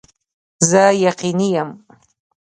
زه یقیني یم